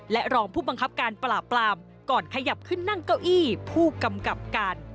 และรองผู้บังคับการปราบปรามก่อนขยับขึ้นนั่งเก้าอี้ผู้กำกับการ